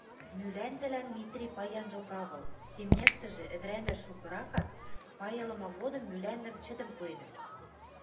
Мӱлӓндӹлӓн Митри паянжок агыл: семняштӹжӹ ӹдӹрӓмӓш шукыракат, пайылымы годым мӱлӓндӹм чӹдӹм пуэнӹт.